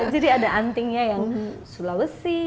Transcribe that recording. jadi ada antingnya yang sulawesi